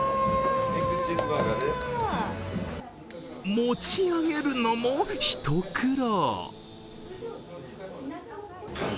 持ち上げるのも一苦労。